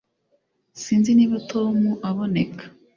Sinzi niba Tom aboneka